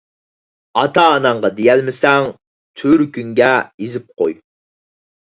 ئاتا ـ ئاناڭغا دېيەلمىسەڭ تۈۋرۈكۈڭگە يېزىپ قوي.